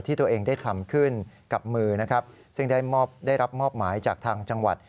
ที่ตัวเองได้ทำขึ้นกับมือนะครับซึ่งได้รับมอบหมายจากทางจังหวัด